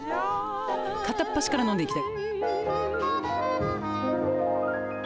片っ端から飲んでいきたい。